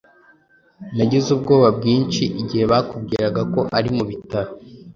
Nagize ubwoba bwinshi igihe bakubwiraga ko ari mu bitaro.